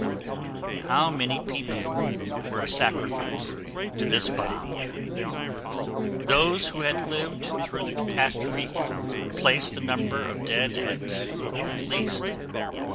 How many people were a sacrifice to this bomb? Those who had lived through the catastrophe placed the number of dead at at least 100,000.